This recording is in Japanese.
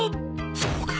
そうか！